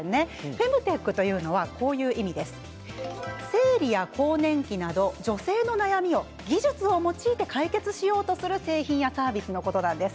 フェムテックとは生理や更年期など女性のお悩みを技術を用いて解決しようとする製品やサービスのことなんです。